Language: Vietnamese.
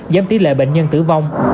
giám tí lệ bệnh nhân tử vong